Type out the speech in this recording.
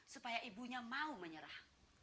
supaya ibunya mau menyerah